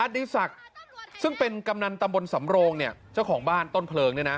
มันกำลันตะมนตรสำโรงเนี่ยเจ้าของบ้านต้นเผลิงด้แลนะ